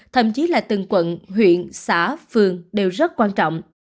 thậm chí là từng quận huyện xã phường đều rất quan trọng